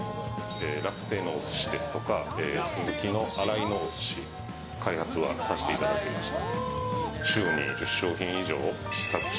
ラフテーのお寿司ですとかスズキの洗いのお寿司開発をさせてもらいました。